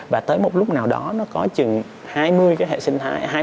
và tới một lúc nào đó nó có chừng hai mươi cái hệ sinh thái